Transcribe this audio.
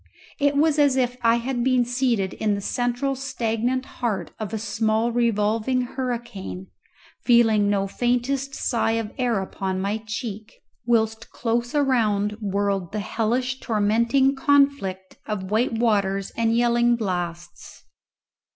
It was as if I had been seated in the central stagnant heart of a small revolving hurricane, feeling no faintest sigh of air upon my cheek, whilst close around whirled the hellish tormenting conflict of white waters and yelling blasts.